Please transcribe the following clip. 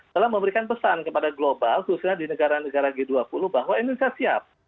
telah memberikan pesan kepada global khususnya di negara negara g dua puluh bahwa indonesia siap